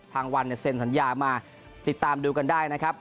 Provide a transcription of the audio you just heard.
ทางวันเนี่ยเซ็นสัญญามาติดตามดูกันได้นะครับ